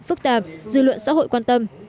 phức tạp dư luận xã hội quan tâm